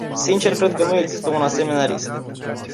Sincer, cred că nu există un asemenea risc.